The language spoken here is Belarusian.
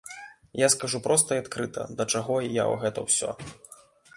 Я скажу проста і адкрыта, да чаго я гэта ўсё.